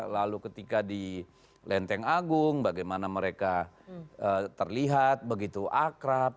lalu ketika di lenteng agung bagaimana mereka terlihat begitu akrab